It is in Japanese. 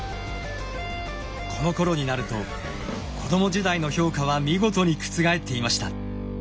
このころになると子ども時代の評価は見事に覆っていました。